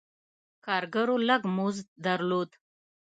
کارګرو لږ مزد درلود.